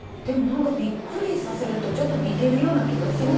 何か「びっくりさせる」とちょっと似てるような気がする。